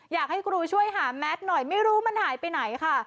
อยากให้ครูช่วยหาแมทหน่อยไม่รู้มันหายไปไหนค่ะ